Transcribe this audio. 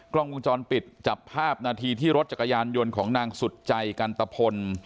กล้องวงจรปิดจับภาพนาทีที่รถจักรยานยนต์ของนางสุดใจกันตะพล